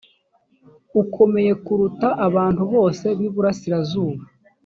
akomeye kuruta abantu bose b iburasirazuba